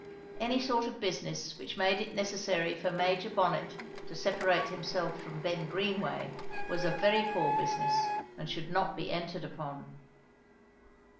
Any sort of business which made it necessary for Major Bonnet to separate himself from Ben Greenway was a very poor business, and should not be entered upon.